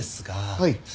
はい。